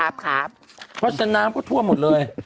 เพราะฉะนั้นน้ำก็ท่วมหมดเลย